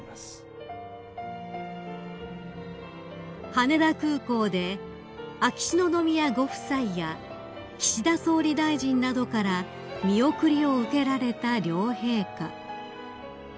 ［羽田空港で秋篠宮ご夫妻や岸田総理大臣などから見送りを受けられた両陛下］